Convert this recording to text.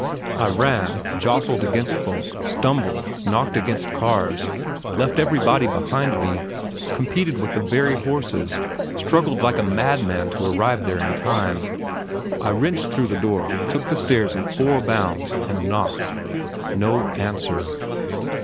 I ran, jostled against folk, stumbled, knocked against cars, left everybody behind me, competed with the very horses, struggled like a madman to arrive there in time. I wrenched through the door, took the stairs in four bounds, and knocked. No answer.